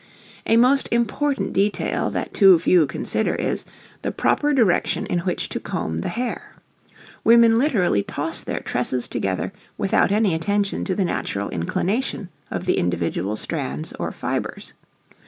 A most important detail that too few consider, is, the proper direction in which to comb the hair. Women literally toss their tresses together without any attention to the natural inclination of the individual strands or fibres.